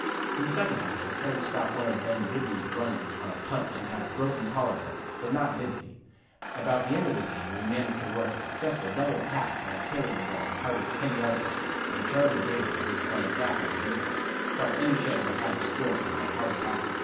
"In the second half I tried to stop one of Ben Dibblee's runs on a punt and got a broken collar bone, but not Dibblee. About the end of the game we managed to work a successful double pass and I carried the ball to Harvard's ten yard line when Charlie Daly, who was playing back on defense, stopped any chance we had of scoring by a hard tackle.